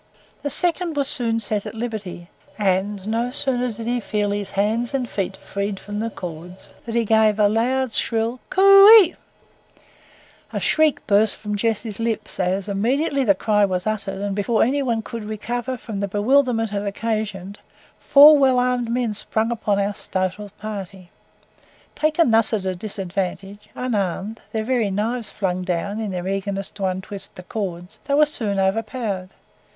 The second was soon set at liberty, and no sooner did he feel his hands and feet free from the cords than he gave a loud, shrill "coo ey." A shriek burst from Jessie's lips as, immediately the cry was uttered, and before any one could, recover from the bewilderment it occasioned, four well armed men sprang upon our startled party. Taken thus at disadvantage, unarmed, their very knives flung down in their eagerness to untwist the cords, they were soon overpowered.